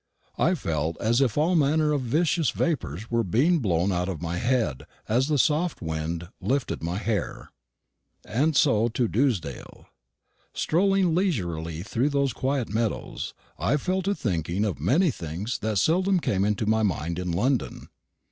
I felt as if all manner of vicious vapours were being blown out of my head as the soft wind lifted my hair. And so to Dewsdale. Strolling leisurely through those quiet meadows, I fell to thinking of many things that seldom came into my mind in London.